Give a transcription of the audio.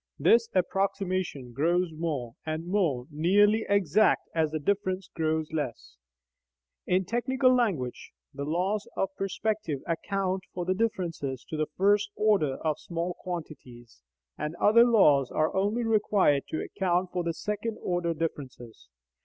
This approximation grows more and more nearly exact as the difference grows less; in technical language, the laws of perspective account for the differences to the first order of small quantities, and other laws are only required to account for second order differences.